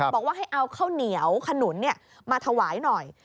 บอกว่าให้เอาข้าวเหนียวขนุนมาถวายหน่อย